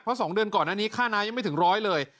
เพราะ๒เดือนก่อนอันนี้ค่าน้ำยังไม่ถึงร้อยเลย